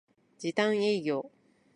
時短営業